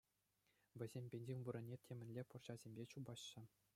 Вӗсем бензин вырӑнне темӗнле пӑрҫасемпе чупаҫҫӗ.